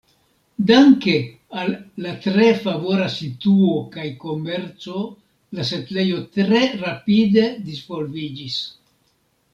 Danke al la tre favora situo kaj komerco la setlejo tre rapide disvolviĝis.